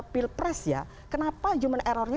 pilpres ya kenapa human errornya